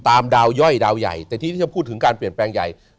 ตามดาวย่อยดาวใหญ่แต่ทีนี้ที่จะพูดถึงการเปลี่ยนแปลงใหญ่